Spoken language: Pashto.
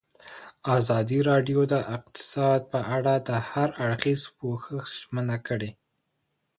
ازادي راډیو د اقتصاد په اړه د هر اړخیز پوښښ ژمنه کړې.